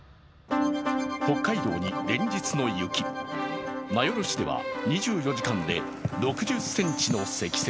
北海道に連日の雪、名寄市では２４時間で６０ｃｍの積雪。